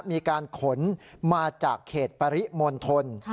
มีการขนมาจากเขตปริมนต์ทน